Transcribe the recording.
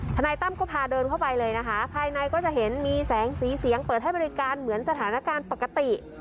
นายตั้มก็พาเดินเข้าไปเลยนะคะภายในก็จะเห็นมีแสงสีเสียงเปิดให้บริการเหมือนสถานการณ์ปกติ